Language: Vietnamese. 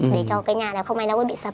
để cho cái nhà này không ai đó bị sập